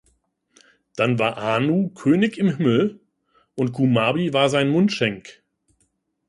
Dann war Anu König im Himmel und Kumarbi war sein Mundschenk.